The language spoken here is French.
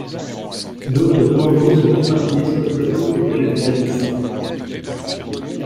D'autres plans d'eau sont éparpillés sur le plateau comme le lac Gladys.